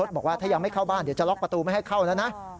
บอกว่าถ้ายังไม่เข้าบ้านเดี๋ยวจะล็อกประตูไม่ให้เข้าแล้วนะ